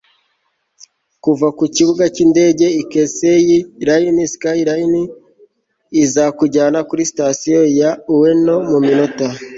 Kuva ku kibuga cyindege Keisei Line SkyLiner izakujyana kuri Sitasiyo ya Ueno muminota